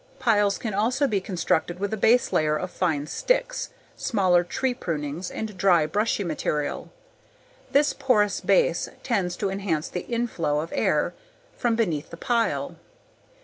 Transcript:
Piles can also be constructed with a base layer of fine sticks, smaller tree prunings, and dry brushy material. This porous base tends to enhance the inflow of air from beneath the pile.